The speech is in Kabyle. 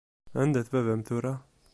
Anda-t baba-m tura?